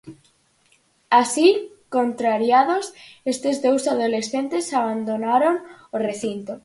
Así, contrariados, estes dous adolescentes abandonaron o recinto.